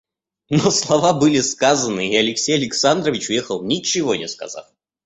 Но слова были сказаны, и Алексей Александрович уехал, ничего не сказав.